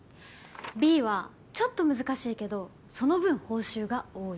Ｂはちょっと難しいけどその分報酬が多い。